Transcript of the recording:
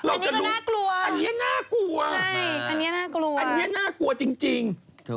อันนี้ก็น่ากลัวอันนี้น่ากลัวอันนี้น่ากลัวจริง